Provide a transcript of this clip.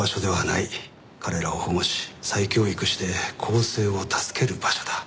彼らを保護し再教育して更生を助ける場所だ。